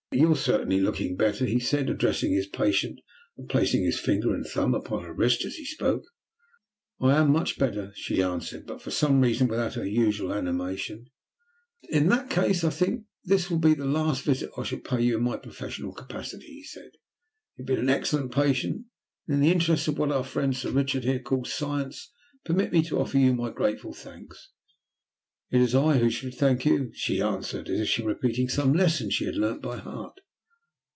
"You are certainly looking better," he said, addressing his patient, and placing his finger and thumb upon her wrist as he spoke. "I am much better," she answered, but for some reason without her usual animation. "In that case I think this will be the last visit I shall pay you in my professional capacity," he said. "You have been an excellent patient, and in the interests of what our friend Sir Richard here calls Science, permit me to offer you my grateful thanks." "It is I who should thank you," she answered, as if she were repeating some lesson she had learnt by heart.